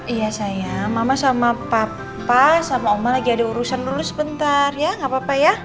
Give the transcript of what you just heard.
iya saya mama sama papa sama oma lagi ada urusan lulus sebentar ya nggak apa apa ya